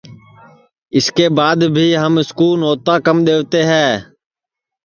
اِس کے بعد بھی ہم اُس کُو نوتا کم دؔیتے ہے